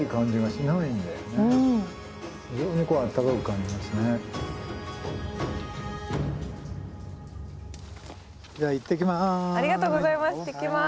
じゃあ行ってきます。